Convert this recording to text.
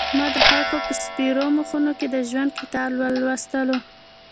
ما د خلکو په سپېرو مخونو کې د ژوند کتاب لوستلو.